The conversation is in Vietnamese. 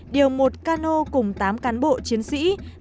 điều một cano cùng tám cán bộ chiến sĩ